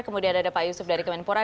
kemudian ada pak yusuf dari kemenpora